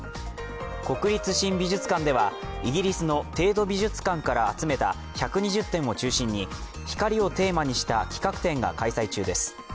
国立新美術館ではイギリスのテート美術館から集めた１２０点を中心に光をテーマにした企画展が開催中です。